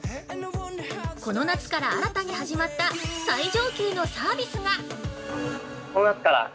この夏から新たに始まった最上級のサービスが。